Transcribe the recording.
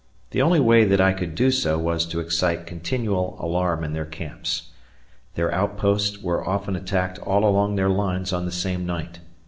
The only way that I could do so was to excite continual alarm in their camps. Their outposts were often attacked all along their lines on the same night.